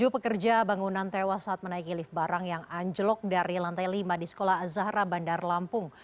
tujuh pekerja bangunan tewas saat menaiki lift barang yang anjlok dari lantai lima di sekolah azahra bandar lampung